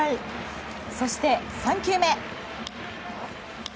そして３球目。